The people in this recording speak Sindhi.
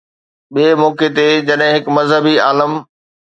ٻئي موقعي تي جڏهن هڪ مذهبي عالم